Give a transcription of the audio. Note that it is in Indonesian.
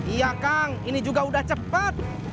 iya kang ini juga udah cepet